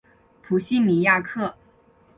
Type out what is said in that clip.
普西尼亚克。